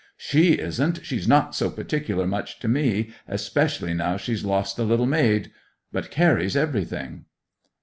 'She isn't! She's not so particular much to me, especially now she's lost the little maid! But Carry's everything!